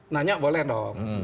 nanya boleh dong